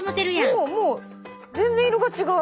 もう全然色が違う。